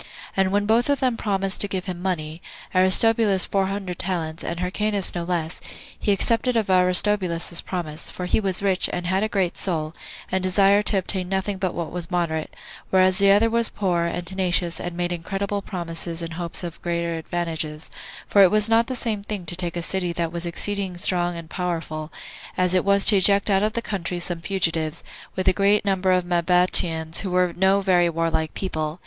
And when both of them promised to give him money, Aristobulus four hundred talents, and Hyrcanus no less, he accepted of Aristobulus's promise, for he was rich, and had a great soul, and desired to obtain nothing but what was moderate; whereas the other was poor, and tenacious, and made incredible promises in hopes of greater advantages; for it was not the same thing to take a city that was exceeding strong and powerful, as it was to eject out of the country some fugitives, with a greater number of Mabateans, who were no very warlike people.